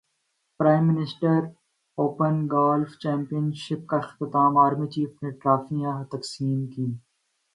prime minister open golf championship کا اختتام army chief نے ٹرافیاں تقسیم کیں